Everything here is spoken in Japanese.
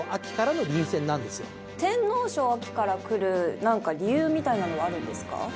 天皇賞からくる何か理由みたいのはあるんですか？